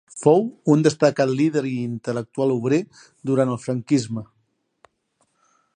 Fou un destacat líder i intel·lectual obrer durant el franquisme.